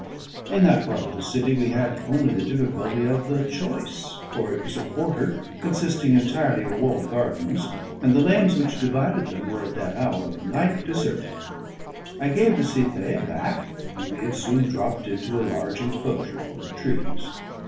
In that part of the city we had only the difficulty of the choice, for it was a quarter consisting entirely of walled gardens, and the lanes which divided them were at that hour of the night deserted. I gave the cipaye a back, and we had soon dropped into a large enclosure full of trees.